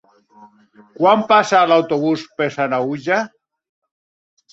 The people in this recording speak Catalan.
Quan passa l'autobús per Sanaüja?